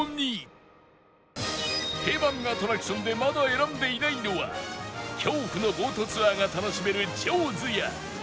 定番アトラクションでまだ選んでいないのは恐怖のボートツアーが楽しめるジョーズや